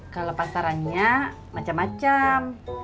kalo pasarannya macam macam